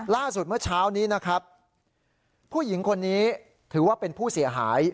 เมื่อเช้านี้นะครับผู้หญิงคนนี้ถือว่าเป็นผู้เสียหาย